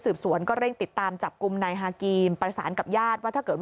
สืบสวนก็เร่งติดตามจับกุมในฮากีมประสานกับญาติว่าถ้าเกิด